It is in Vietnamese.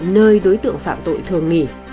nơi đối tượng phạm tội thường nghỉ